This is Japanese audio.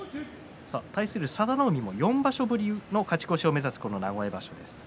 佐田の海も４場所ぶりの勝ち越しを目指す名古屋場所です。